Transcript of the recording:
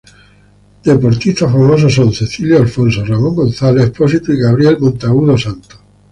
Deportistas famosos son Cecilio Alonso, Ramón González Expósito y Gabriel Monteagudo Santos,